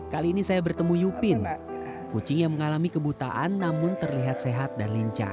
kali ini saya bertemu yupin kucing yang mengalami kebutaan namun terlihat sehat dan lincah